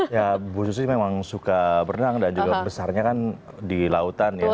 ya bu susi memang suka berenang dan juga besarnya kan di lautan ya